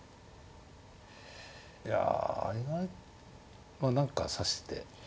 いやまあ何か指してください。